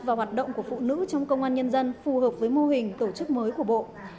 và hoạt động của phụ nữ trong công an nhân dân phù hợp với mô hình tổ chức mới của bộ